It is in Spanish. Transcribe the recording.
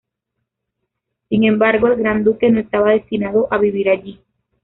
Sin embargo, el gran duque no estaba destinado a vivir allí.